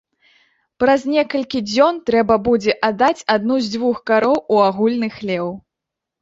Праз некалькі дзён трэба будзе аддаць адну з дзвюх кароў у агульны хлеў.